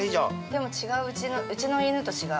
でも、うちの犬と違う。